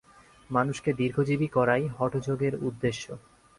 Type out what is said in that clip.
মানুষকে দীর্ঘজীবী করাই হঠযোগের উদ্দেশ্য।